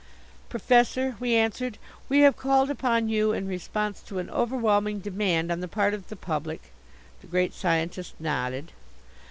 "Professor," we answered, "we have called upon you in response to an overwhelming demand on the part of the public " The Great Scientist nodded.